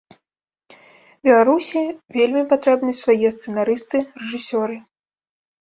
Беларусі вельмі патрэбны свае сцэнарысты, рэжысёры.